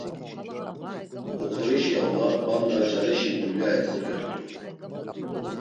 Oxorişi avla p̌anda carişi dulya eǩurert̆u.